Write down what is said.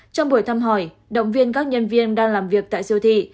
trong buổi thăm hỏi động viên các nhân viên đang làm việc tại siêu thị